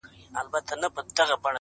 پوهه د ذهن کړکۍ پرانیزي